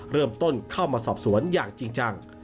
เริ่มต้นเข้ามาสอบสวนอย่างจริงจัง